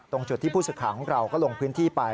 ตรงจุดที่ผู้สื่อข่าวของเราก็ลงพื้นที่ไป